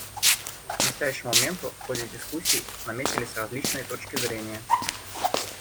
К настоящему моменту в ходе дискуссий наметились различные точки зрения.